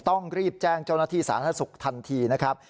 ต้องรีบแจ้งเจ้าหน้าที่สาธารณสุขทันทีนะครับ